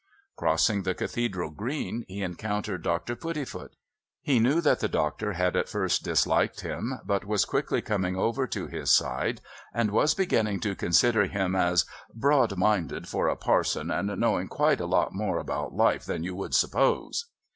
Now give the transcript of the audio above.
Crossing the Cathedral Green he encountered Dr. Puddifoot. He knew that the Doctor had at first disliked him but was quickly coming over to his side and was beginning to consider him as "broad minded for a parson and knowing a lot more about life than you would suppose."